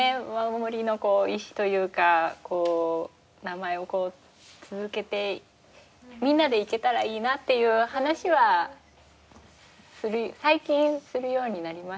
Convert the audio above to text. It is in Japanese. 森の遺志というかこう名前を続けてみんなでいけたらいいなっていう話は最近するようになりましたね。